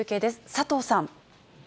佐藤さん。